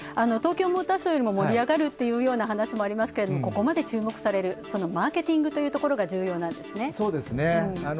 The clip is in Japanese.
東京モーターショーよりも盛り上がるという話もありますけどここまで注目される、そのマーケティングというところが重要なんですね。